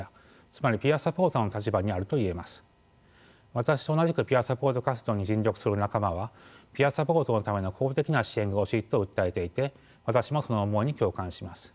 私と同じくピアサポート活動に尽力する仲間はピアサポートのための公的な支援が欲しいと訴えていて私もその思いに共感します。